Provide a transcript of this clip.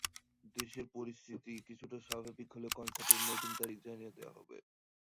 দেশের পরিস্থিতি কিছুটা স্বাভাবিক হলেই কনসার্টের নতুন তারিখ জানিয়ে দেওয়া হবে।